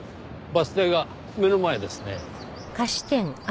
バス停が目の前ですねぇ。